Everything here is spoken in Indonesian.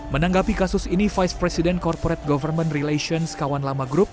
menanggapi kasus ini vice president corporate government relations kawan lama group